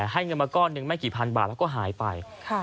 ประมาณอย่างกิบพันบาทแล้วก็หายไป